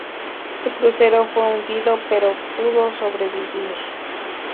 Su crucero fue hundido pero pudo sobrevivir.